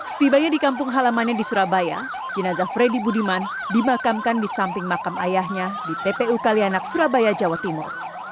setibanya di kampung halamannya di surabaya jenazah freddy budiman dimakamkan di samping makam ayahnya di tpu kalianak surabaya jawa timur